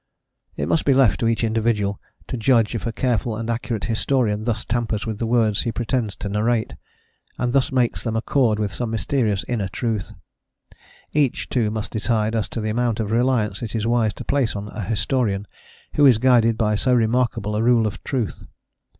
"* It must be left to each individual to judge if a careful and accurate historian thus tampers with the words he pretends to narrate, and thus makes them accord with some mysterious inner truth; each too must decide as to the amount of reliance it is wise to place on a historian who is guided by so remarkable a rule of truth.